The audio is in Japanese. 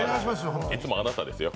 いつもあなたですよ。